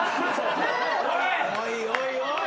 おいおいおい！